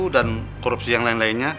dan korupsi yang lain lainnya